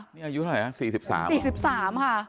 นี่อายุเท่าไหร่๔๓๔๓ค่ะ